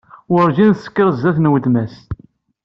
Werǧin teskiṛ sdat n weltma-s.